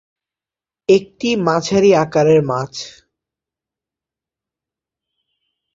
একটি মাঝারি আকারের মাছ।